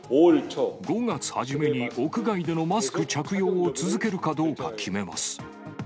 ５月初めに屋外でのマスク着用を続けるかどうか決めます。